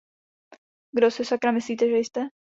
Kdo si sakra myslíte, že jste?